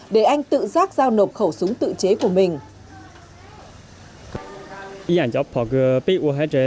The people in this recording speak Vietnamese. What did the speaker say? để anh tự rác giao nổ khẩu súng tự chế của mình